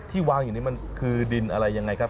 วางอยู่นี่มันคือดินอะไรยังไงครับ